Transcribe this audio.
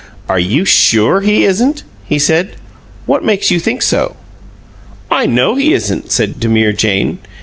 "Are you SURE he isn't?" he said. "What makes you think so?" "I know he isn't," said demure Jane.